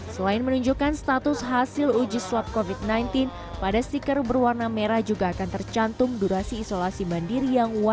selain menunjukkan status hasil uji swab covid sembilan belas pada stiker berwarna merah juga akan tercantum durasi isolasi mandiri yang wajib